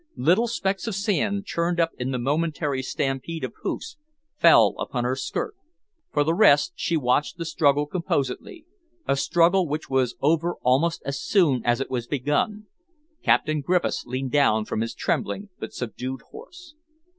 Little specks of sand, churned up in the momentary stampede of hoofs, fell upon her skirt. For the rest, she watched the struggle composedly, a struggle which was over almost as soon as it was begun. Captain Griffiths leaned down from his trembling but subdued horse.